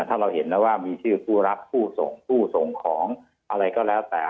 ถ้าเราเห็นแล้วว่ามีชื่อผู้รับผู้ส่งผู้ส่งของอะไรก็แล้วแต่